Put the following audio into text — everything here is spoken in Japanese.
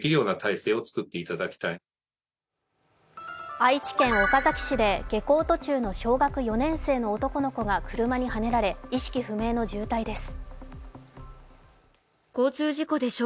愛知県岡崎市で下校途中の小学４年生の男の子が車にはねられ意識不明の重体です。